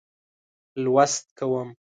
لوست کوم.